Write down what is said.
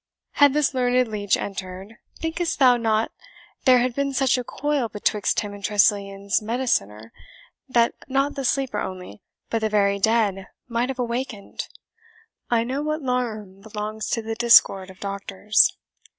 Had this learned leech entered, think'st thou not there had been such a coil betwixt him and Tressilian's mediciner, that not the sleeper only, but the very dead might have awakened? I know what larurm belongs to the discord of doctors."